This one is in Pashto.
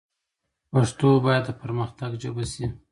پښتو باید د پرمختګ ژبه شي.